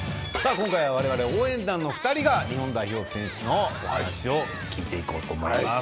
今回は我々応援団の２人が日本代表選手のお話を聞いていこうと思います。